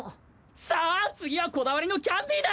さあ次はこだわりのキャンディだ！